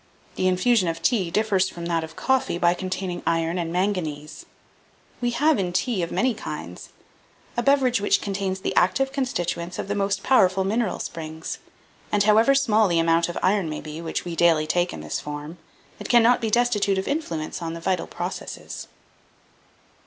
The infusion of tea differs from that of coffee, by containing iron and manganese. We have in tea, of many kinds, a beverage which contains the active constituents of the most powerful mineral springs, and, however small the amount of iron may be which we daily take in this form, it cannot be destitute of influence on the vital processes."